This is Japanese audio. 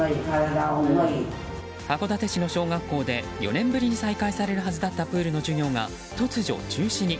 函館市の小学校で４年ぶりに再開されるはずだったプールの授業が突如、中止に。